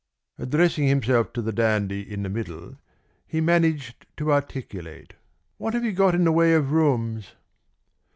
Addressing himself to the dandy in the middle, he managed to articulate: "What have you got in the way of rooms?"